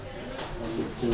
こんにちは。